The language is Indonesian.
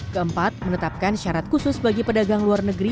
keempat menetapkan syarat khusus bagi pedagang luar negeri